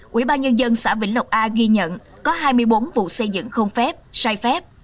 quỹ ba nhân dân xã vĩnh lộc a ghi nhận có hai mươi bốn vụ xây dựng không phép sai phép